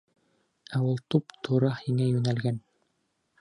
Ә ул туп-тура һиңә йүнәлгән!